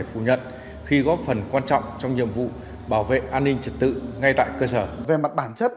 phủ nhận khi góp phần quan trọng trong nhiệm vụ bảo vệ an ninh trật tự ngay tại cơ sở về mặt bản chất